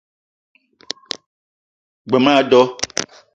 G-beu ma a do